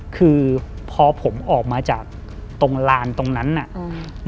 คือพอผมออกมาจากตรงลานตรงนั้นน่ะอืม